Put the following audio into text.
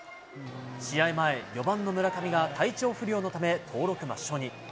試合前、４番の村上が体調不良のため登録抹消に。